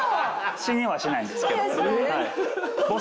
死にはしないんですけど。